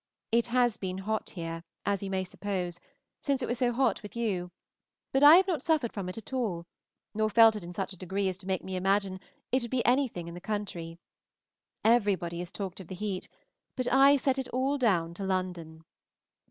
It has been hot here, as you may suppose, since it was so hot with you, but I have not suffered from it at all, nor felt it in such a degree as to make me imagine it would be anything in the country. Everybody has talked of the heat, but I set it all down to London.